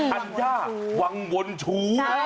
ธัญญาวังวลชู